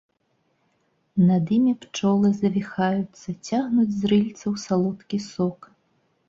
Над імі пчолы завіхаюцца, цягнуць з рыльцаў салодкі сок.